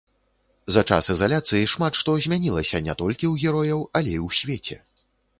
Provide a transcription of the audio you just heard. За час ізаляцыі шмат што змянілася не толькі ў герояў, але і ў свеце.